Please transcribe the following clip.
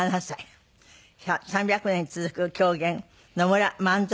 ３００年続く狂言野村万蔵